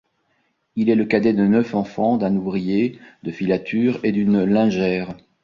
Il est le cadet des neuf enfants d'un ouvrier de filature et d'une lingère.